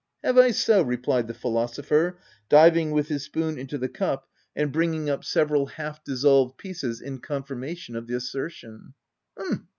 ff Have I so?" replied the philosopher, diving with his spoon into the cup and bringing up 232 THE TENANT several half dissolved pieces in confirmation of the assertion.